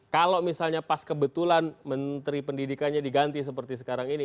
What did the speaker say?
kalau misalnya pas kebetulan menteri pendidikannya diganti seperti sekarang ini